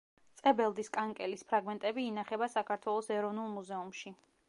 წებელდის კანკელის ფრაგმენტები ინახება საქართველოს ეროვნულ მუზეუმში.